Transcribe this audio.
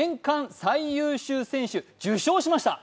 最優秀選手を受賞しました。